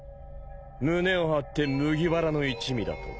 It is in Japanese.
胸を張って麦わらの一味だと。